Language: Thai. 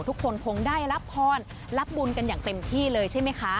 ทุกคนคงได้รับพรรับบุญกันอย่างเต็มที่เลยใช่ไหมคะ